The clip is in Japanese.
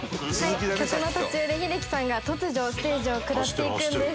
「曲の途中で秀樹さんが突如ステージを下っていくんです」